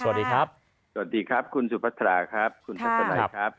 สวัสดีครับสวัสดีครับคุณสุภาษาครับคุณธรรมไลน์ครับ